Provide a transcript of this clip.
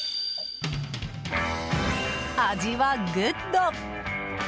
味はグッド！